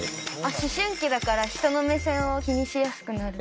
思春期だから人の目線を気にしやすくなる。